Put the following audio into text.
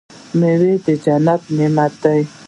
میوه د جنت نعمت دی.